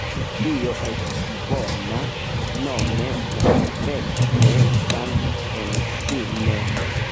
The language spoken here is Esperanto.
Dio estas bona, nome perfekte sankta en si mem.